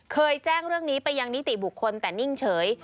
เคยแจ้งเรื่องนี้ไปยังนิติบุคคลแต่นิ่งเฉย